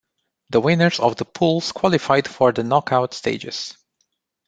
The winners of the pools qualified for the knock-out stages.